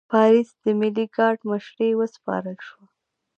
پاریس د ملي ګارډ مشري وسپارل شوه.